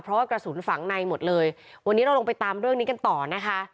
เพราะว่ากระสุนฝังในหมดเลยวันนี้เราลงไปตามเรื่องนี้กันต่อนะคะ